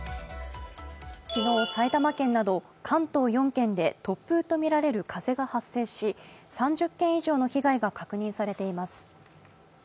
昨日、埼玉県など関東４県で突風とみられる風が発生し、３０件以上の被害が確認されています。